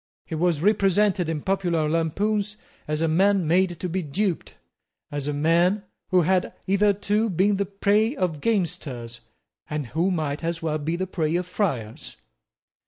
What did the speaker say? He was represented in popular lampoons as a man made to be duped, as a man who had hitherto been the prey of gamesters, and who might as well be the prey of friars.